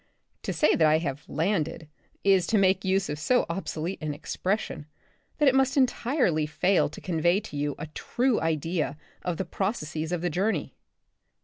To say that I was landed, is to make use of so obsolete an expression that it must entirely fail to convey to you a true idea of the processes 8 The Republic of the Future. of the journey.